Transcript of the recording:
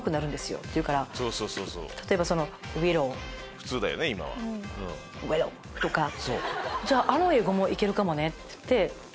普通だよね今は。じゃああの英語もいけるかもね！って